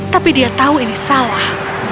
tapi dia tahu ini salah